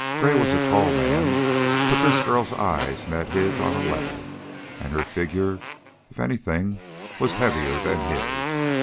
Gray was a tall man, but this girl's eyes met his on a level, and her figure, if anything, was heavier than his.